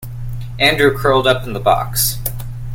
Andrew curled up in the box.